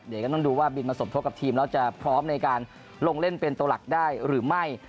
เดี๋ยวก็ต้องดูว่าบินมาสมทบกับทีมแล้วจะพร้อมในการลงเล่นเป็นตัวหลักได้หรือไม่